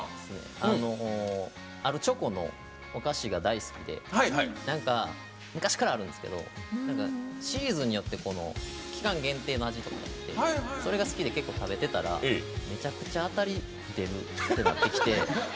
あるチョコのお菓子が大好きで昔からあるんですけどシーズンによって期間限定の味とかそれが好きで結構食べてたらめちゃくちゃ当たりが出るってなってきて。